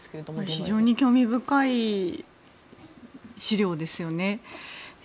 非常に興味深い資料ですよね。